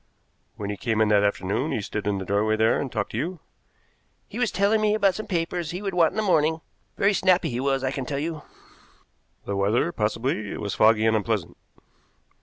"When he came in that afternoon he stood in the doorway there and talked to you?" "He was telling me about some papers he would want in the morning. Very snappy he was, I can tell you." "The weather, possibly. It was foggy and unpleasant."